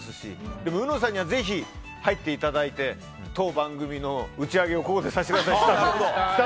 でも、うのさんにはぜひ入っていただいて当番組の打ち上げをここでさせてください。